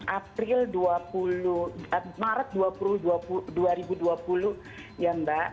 april dua puluh maret dua ribu dua puluh ya mbak